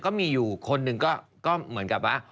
ก็มีอยู่คนหนึ่งก็เหมือนกับว่า